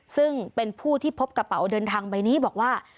ซึ่งเป็นผู้ที่พบกระเป๋าเดินทางใบนี้บอกว่า